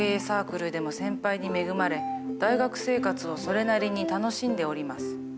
サークルでも先輩に恵まれ大学生活をそれなりに楽しんでおります。